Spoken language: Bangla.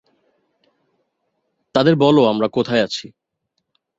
তাদের বল আমরা কোথায় আছি।